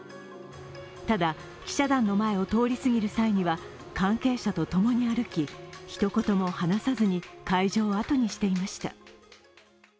ただ、記者団の前を通り過ぎる際には関係者とともに歩き、ひと言も話さずに会場をあとにしていました。